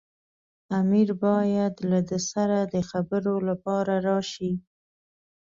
امیر باید له ده سره د خبرو لپاره راشي.